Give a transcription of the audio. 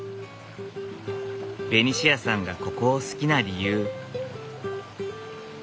ベニシアさんがここを好きな理由。